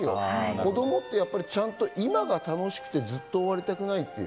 子供ってちゃんと今が楽しくてずっと終わりたくないという。